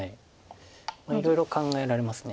いろいろ考えられます。